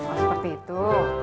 oh seperti itu